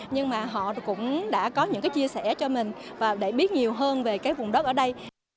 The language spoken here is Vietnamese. nhưng mà họ cũng đã có những cái chia sẻ cho mình và để biết nhiều hơn về cái vùng đất ở đây